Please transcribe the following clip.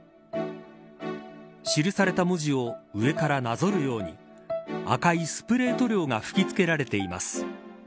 記された文字を上からなぞるように赤いスプレー塗料が吹き付けられています